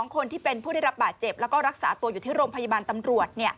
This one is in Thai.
คนที่เป็นผู้ได้รับบาดเจ็บแล้วก็รักษาตัวอยู่ที่โรงพยาบาลตำรวจ